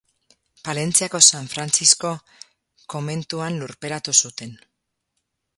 Palentziako San Frantzisko komentuan lurperatu zuten.